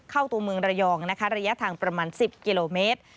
เข้าตัวเมืองระยองนะคะระยะทางประมาณ๑๐กิโลเมตร